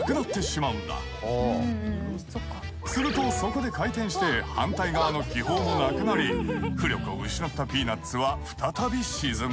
するとそこで回転して反対側の気泡もなくなり浮力を失ったピーナッツは再び沈むんだ。